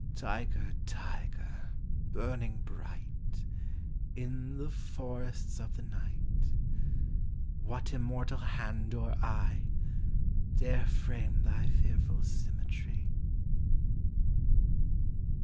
Tiger! Tiger! burning bright, In the forests of the night, What immortal hand or eye Dare frame thy fearful symmetry?